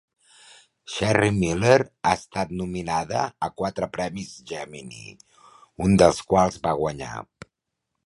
Sherry Miller ha estat nominada a quatre premis Gemini, un dels quals va guanyar.